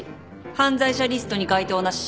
犯罪者リストに該当なし。